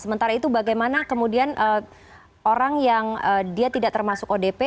sementara itu bagaimana kemudian orang yang dia tidak termasuk odp